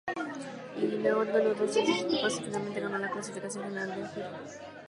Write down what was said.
Hinault ganó dos de esas etapas y finalmente ganó la clasificación general del Giro.